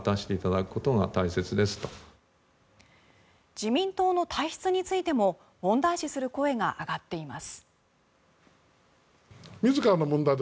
自民党の体質についても問題視する声が上がっています。